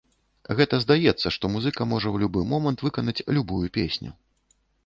Гэта здаецца, што музыка можа ў любы момант выканаць любую песню.